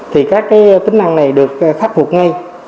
thì các cái tính năng này được khắc phục ngay